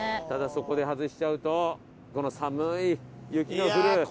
ただそこで外しちゃうとこの寒い雪の降る。